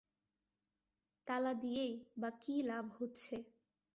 তালা দিয়েই-বা লাভ কী হচ্ছে?